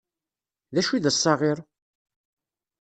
D acu i d assaɣir?